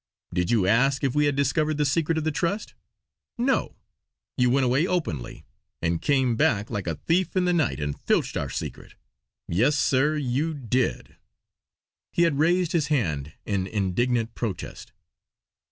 Did you ask if we had discovered the secret of the trust? No! You went away openly; and came back like a thief in the night and filched our secret. Yes sir, you did!" He had raised his hand in indignant protest.